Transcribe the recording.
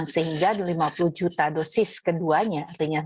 sehingga lima puluh juta dosis keduanya